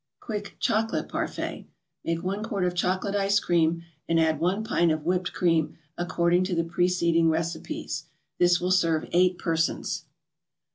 QUICK CHOCOLATE PARFAIT Make one quart of Chocolate Ice Cream, and add one pint of whipped cream, according to the preceding recipes. This will serve eight persons.